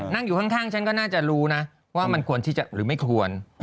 นั่งอยู่ข้างฉันก็น่าจะรู้นะว่ามันควรที่จะหรือไม่ควร